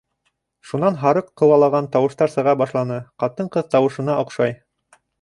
Шунан һарыҡ ҡыуалаған тауыштар сыға башланы, ҡатын-ҡыҙ тауышына оҡшай.